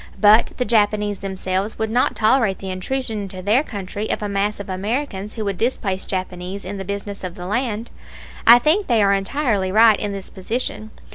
But the Japanese themselves would not tolerate the intrusion into their country of a mass of Americans who would displace Japanese in the business of the land. I think they are entirely right in this position.